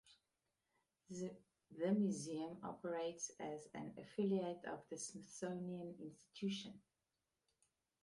The museum operates as an affiliate of the Smithsonian Institution.